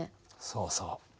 そうそう。